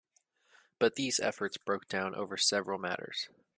But these efforts broke down over several matters.